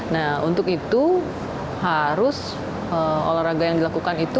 nah untuk itu harus olahraga yang dilakukan itu